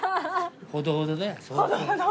ほどほど。